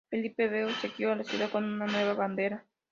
Felipe V obsequió a la ciudad con esta nueva bandera.